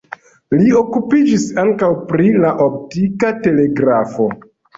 Li okupiĝis ankaŭ pri la optika telegrafo.